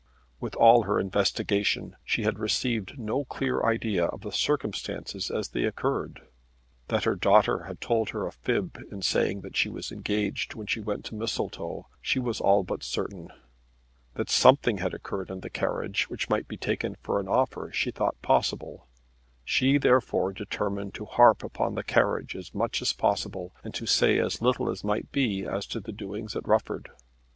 With all her investigation she had received no clear idea of the circumstances as they occurred. That her daughter had told her a fib in saying that she was engaged when she went to Mistletoe, she was all but certain. That something had occurred in the carriage which might be taken for an offer she thought possible. She therefore determined to harp upon the carriage as much as possible and to say as little as might be as to the doings at Rufford.